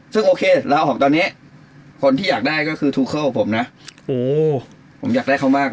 ซึ่งโอเคลาออกตอนนี้คนที่อยากได้ก็คือทูเคิลผมนะ